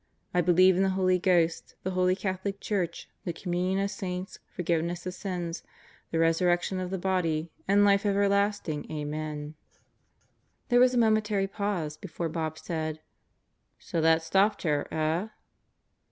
I believe in the Holy Ghost; the Holy Catholic Church; the Communion of Saints; forgiveness of sins; the resurrection of the body and life ever lasting. Amen." There was a momentary pause before Bob said, "So that stopped her, eh?"